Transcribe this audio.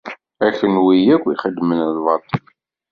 A kunwi akk ixeddmen lbaṭel!